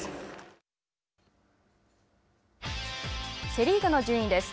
セ・リーグの順位です。